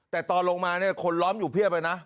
แต่ตอนลงมาเนี่ยคนล้อมอยู่เพียบเลยนะ